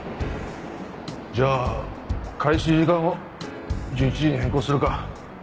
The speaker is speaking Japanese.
じゃあ開始時間を１１時に変更するか。